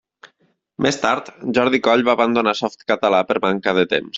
Més tard, Jordi Coll va abandonar Softcatalà per manca de temps.